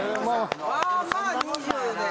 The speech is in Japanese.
まぁまぁ２０で。